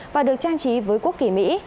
và được trang trí với quốc kỳ mỹ